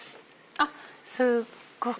あっすっごく。